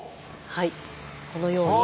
はいこのように。